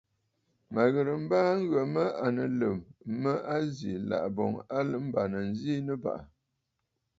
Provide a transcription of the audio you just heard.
Mə̀ ghɨrə mbaaa ŋghə mə à nɨ Lum mə a zì, làʼ̀à boŋ a bàŋnə zi Nɨbàʼà.